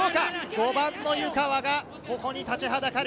５番の湯川が立ちはだかる。